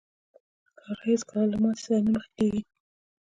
هغه هېڅکله له ماتې سره نه مخ کېږي.